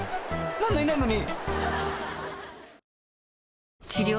何でいないのに］